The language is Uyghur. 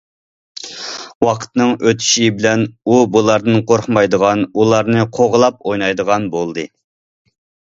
ۋاقىتنىڭ ئۆتۈشى بىلەن ئۇ بۇلاردىن قورقمايدىغان، ئۇلارنى قوغلاپ ئوينايدىغان بولدى.